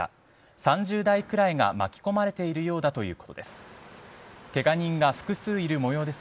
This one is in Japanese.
３０台くらいが巻き込まれているようだということです。